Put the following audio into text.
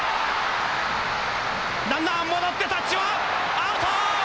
ランナー戻ってタッチはアウト！